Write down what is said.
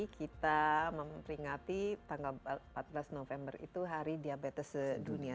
kita memperingati tanggal empat belas november itu hari diabetes sedunia